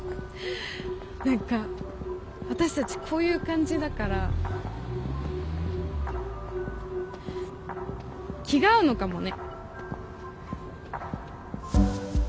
何か私たちこういう感じだから気が合うのかもね。